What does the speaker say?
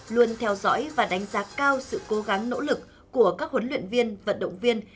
luôn theo dõi và đánh giá cao sự cố gắng nỗ lực của các huấn luyện viên vận động viên